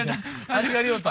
ありがりょうた？